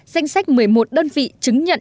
danh sách một mươi một đơn vị chứng nhận